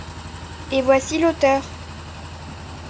Et voici l’auteur.